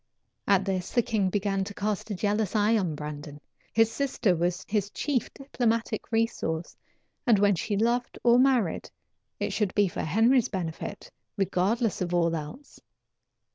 At this the king began to cast a jealous eye on Brandon. His sister was his chief diplomatic resource, and when she loved or married, it should be for Henry's benefit, regardless of all else.